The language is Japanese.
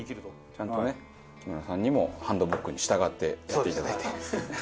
ちゃんとね木村さんにもハンドブックに従ってやっていただいて。